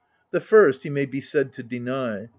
The first, he may be said to deny.